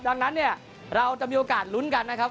ดังนั้นเนี่ยเราจะมีโอกาสลุ้นกันนะครับ